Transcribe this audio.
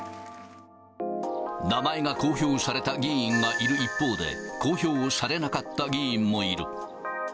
名前が公表された議員がいる一方で、公表されなかった議員もいる。